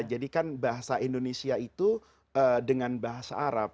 jadi kan bahasa indonesia itu dengan bahasa arab